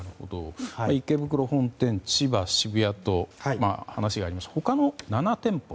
池袋本店、千葉、渋谷と話がありましたが他の全国の７店舗。